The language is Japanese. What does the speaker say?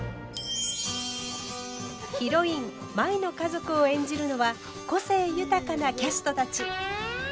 ヒロイン舞の家族を演じるのは個性豊かなキャストたち。